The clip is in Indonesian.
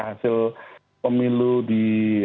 hasil pemilu di